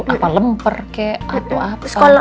apa lemper kek atau apa